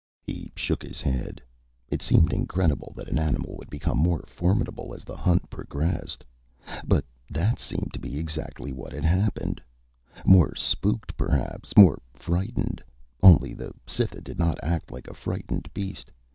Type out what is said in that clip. He shook his head. It seemed incredible that an animal would become more formidable as the hunt progressed. But that seemed to be exactly what had happened. More spooked, perhaps, more frightened only the Cytha did not act like a frightened beast.